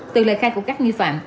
từ lời khai của các nghi phạm